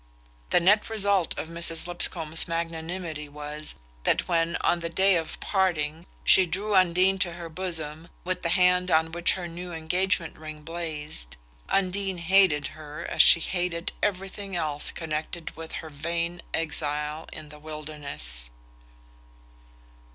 The net result of Mrs. Lipscomb's magnanimity was that when, on the day of parting, she drew Undine to her bosom with the hand on which her new engagement ring blazed, Undine hated her as she hated everything else connected with her vain exile in the wilderness.